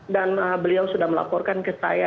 dan beliau sudah melaporkan ke saya